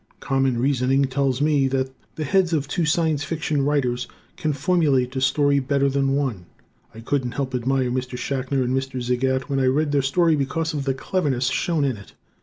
Common reasoning tells me that the heads of two Science Fiction writers can formulate a story better than one. I couldn't help admire Mr. Schachner and Mr. Zagat when I read their story because of the cleverness shown in it.